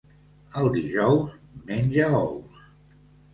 El dijous, menja ous.